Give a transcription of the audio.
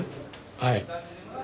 はい。